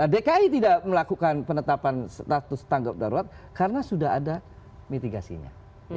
dki tidak melakukan penetapan status tanggap darurat karena sudah ada mitigasinya